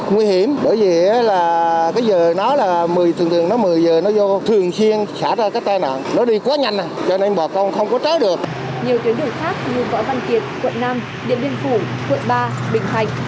nhiều tuyến đường khác như võ văn kiệt quận năm điện liên phủ quận ba bình thạch